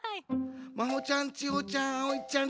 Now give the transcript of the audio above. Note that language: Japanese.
まほちゃん・ちほちゃん・あおいちゃん